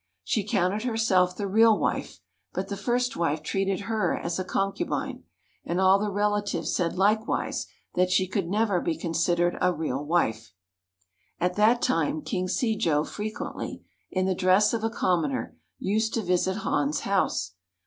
She counted herself the real wife, but the first wife treated her as a concubine, and all the relatives said likewise that she could never be considered a real wife. At that time King Se jo frequently, in the dress of a commoner, used to visit Han's house.